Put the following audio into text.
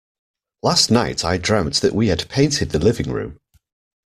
Last night I dreamt that we had painted the living room.